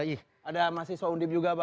ih ada mahasiswa undib juga pak